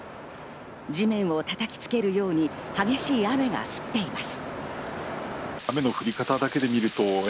地面を叩きつけるように激しい雨が降っています。